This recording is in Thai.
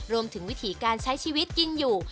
รวมถึงวิถีการใช้ชีวิตกินอยู่